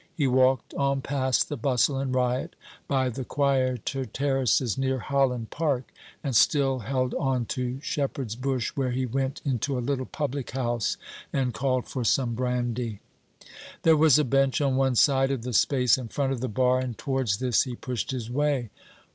He walked on past the bustle and riot, by the quieter terraces near Holland Park, and still held on to Shepherd's Bush, where he went into a little public house and called for some brandy. There was a bench on one side of the space in front of the bar, and towards this he pushed his way.